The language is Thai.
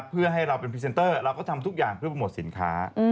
เพื่อให้เราเป็นพรีเซนเตอร์เราก็ทำทุกอย่างเพื่อโปรโมทสินค้า